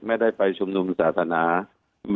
ไม่ได้ไปชุมนุมศาสนา